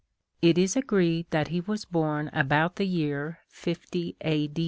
It is agreed that he was born about the year 50 a.